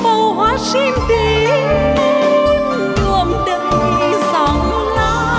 màu hoa xinh tím đường đầy dòng láng